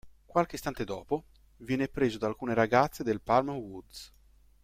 Qualche istante dopo, viene preso da alcune ragazze del Palm Woods.